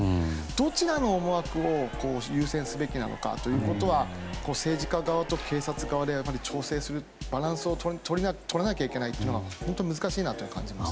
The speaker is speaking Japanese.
どちらの思惑を優先すべきなのかということは政治家側と警察側で調整する、バランスをとらないといけないというのは本当に難しいなと感じました。